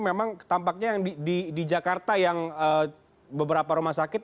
memang tampaknya yang di jakarta yang beberapa rumah sakit